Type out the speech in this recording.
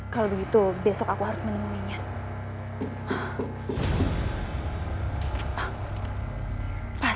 kalau begitu besok aku harus menemuinya